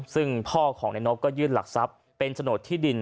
ซึ่งพ่อของนายนบก็ยื่นหลักทรัพย์เป็นโฉนดที่ดิน